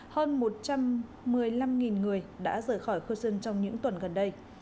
hơn một trăm một mươi năm người đã rời khỏi kherson trong những tuần gần đây